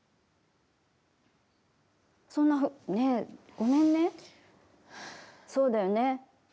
そんなね、ごめんね、そうだよね。